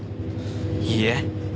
いいえ。